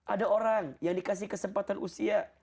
ada orang yang dikasih kesempatan usia